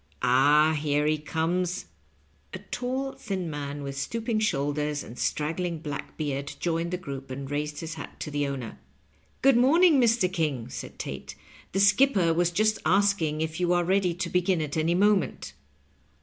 Ah, here he comes." A tall, thin man with stooping shoulders and strag gling black beard joined the group, and raised his hat to the owner. " Good morning, Mr. King," said Tate ;" the skipper was just asking if you are ready to begin at any mo ment."